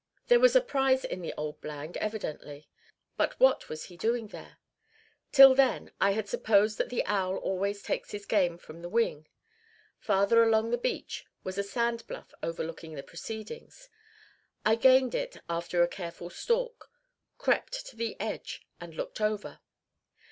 There was a prize in the old blind evidently. But what was he doing there? Till then I had supposed that the owl always takes his game from the wing. Farther along the beach was a sand bluff overlooking the proceedings. I gained it after a careful stalk, crept to the edge, and looked over.